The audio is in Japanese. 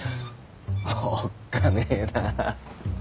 おっかねえな。